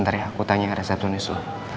ntar ya aku tanya resep tunis dulu